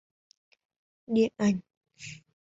Điện ảnh